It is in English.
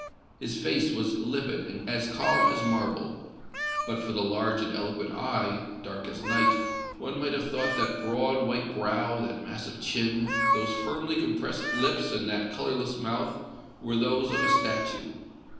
His face was livid and as calm as marble; but for the large and eloquent eye, dark as night, one might have thought that broad white brow, that massive chin, those firmly compressed lips and that colorless mouth were those of a statue.